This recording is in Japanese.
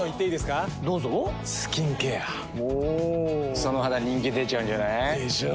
その肌人気出ちゃうんじゃない？でしょう。